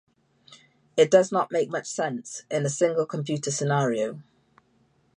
It does not make much sense in a single computer scenario.